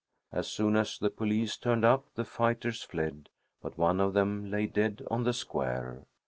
As soon as the police turned up, the fighters fled, but one of them lay dead on the square.